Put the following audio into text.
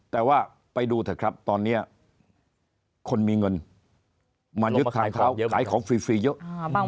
แต่ว่าไปดูเถอะครับตอนนี้คนมีเงินมายึดขายเขาขายของฟรีเยอะ